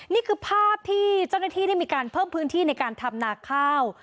นี่คือภาพที่เจ้าหน้าที่ได้มีการเพิ่มพื้นที่ในการทำนาข้าว